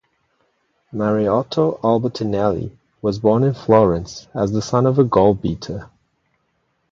Mariotto Albertinelli was born in Florence as the son of a gold beater.